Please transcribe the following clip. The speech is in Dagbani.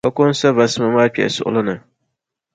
O ko n-sa va sima maa kpɛhi suɣili ni.